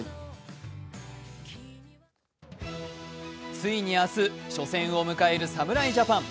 ついに明日、初戦を迎える侍ジャパン。